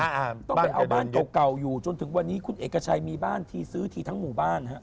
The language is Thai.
ต้องไปเอาบ้านเก่าเก่าอยู่จนถึงวันนี้คุณเอกชัยมีบ้านทีซื้อทีทั้งหมู่บ้านฮะ